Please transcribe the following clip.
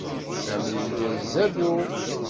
Sami yella izerrew.